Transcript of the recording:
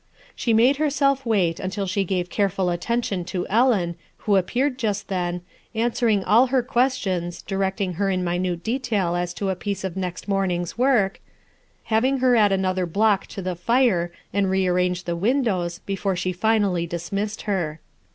She made herself wait until she gave careful attention to Ellen, who appeared just then, answering all her] questions, directing her in minute detail as to a piece of next morning's work, having her add another block to the fire and rearrange the windows before she finally dismissed her.